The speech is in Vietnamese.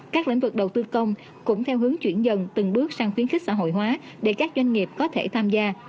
các lĩnh vực đầu tư công cũng theo hướng chuyển dần từng bước sang khuyến khích xã hội hóa để các doanh nghiệp có thể tham gia